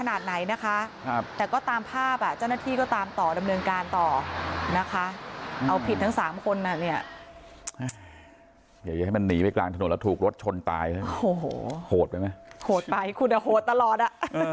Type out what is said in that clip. นะคะเอาผิดทั้ง๓คนอ่ะเนี่ยอย่าให้มันหนีไปกลางถนนแล้วถูกรถชนตายเลยโหดไปไหมโหดไปคุณอะโหดตลอดอ่ะ